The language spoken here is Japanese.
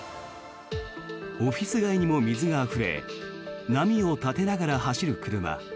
オフィス街にも水があふれ波を立てながら走る車。